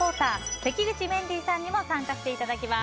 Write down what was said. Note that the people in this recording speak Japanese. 関口メンディーさんにも参加していただきます。